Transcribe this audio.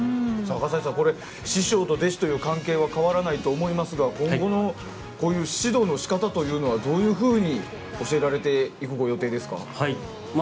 葛西さん師匠と弟子という関係は変わらないと思いますが今後のこういう指導の仕方というのはどういうふうに教えられていくご予定ですか。